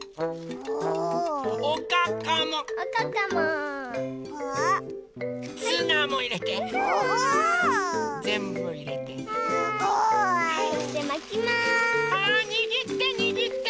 はいにぎってにぎって。